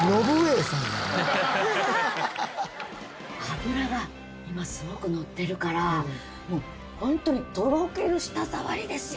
脂が今すごくのってるからもうホントにとろける舌触りですよね。